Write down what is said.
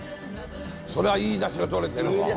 それはいい出汁がとれてるわ。